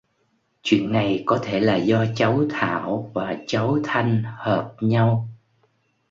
Chuyện này Có Thể Là do cháu Thảo và cháu thanh hợp nhau